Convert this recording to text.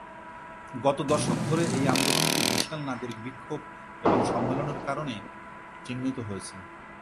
গত দশক ধরে এই আন্দোলনটি বিশাল নাগরিক বিক্ষোভ এবং সম্মেলনের কারণে চিহ্নিত হয়েছে।